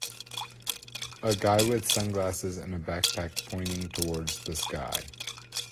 A guy with sunglasses and a backpack pointing towards the sky.